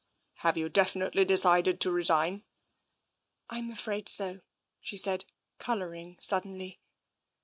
"Have you definitely decided to resign?" " Fm afraid so," she said, again colouring suddenly.